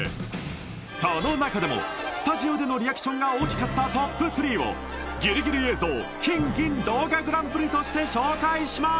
そのなかでもスタジオでのリアクションが大きかったトップ３をギリギリ映像金銀銅画グランプリとして紹介します